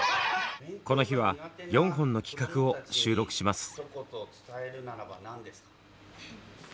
この日は４本の企画を収録します。